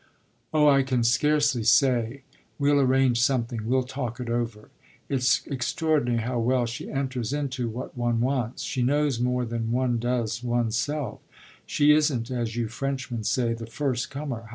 "Oh I can scarcely say; we'll arrange something; we'll talk it over. It's extraordinary how well she enters into what one wants: she knows more than one does one's self. She isn't, as you Frenchmen say, the first comer.